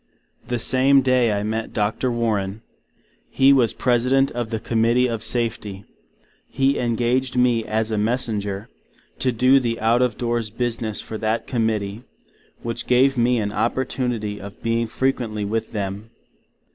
The same day I met Dr. Warren. He was President of the Committee of Safety. He engaged me as a Messinger, to do the out of doors business for that committee; which gave me an opportunity of being frequently with them.